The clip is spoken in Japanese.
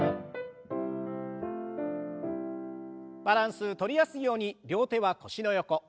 バランスとりやすいように両手は腰の横。